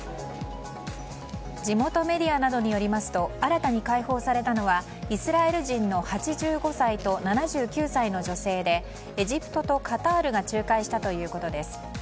地元メディアなどによりますと新たに解放されたのはイスラエル人の８５歳と７９歳の女性でエジプトとカタールが仲介したということです。